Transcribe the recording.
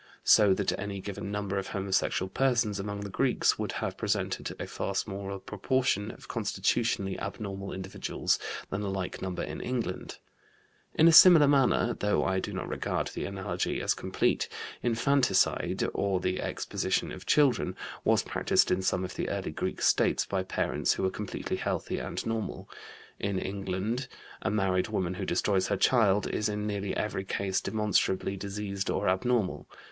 So that any given number of homosexual persons among the Greeks would have presented a far smaller proportion of constitutionally abnormal individuals than a like number in England. In a similar manner though I do not regard the analogy as complete infanticide or the exposition of children was practised in some of the early Greek States by parents who were completely healthy and normal; in England a married woman who destroys her child is in nearly every case demonstrably diseased or abnormal.